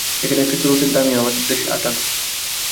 এখানে একটা চুরুটের দামই আমাদের দেশের আট আনা।